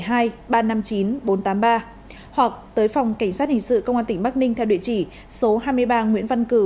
hoặc tới phòng cảnh sát hình sự công an tỉnh bắc ninh theo địa chỉ số hai mươi ba nguyễn văn cử